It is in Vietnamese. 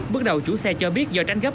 bước đầu chủ xe cho biết do tránh gấp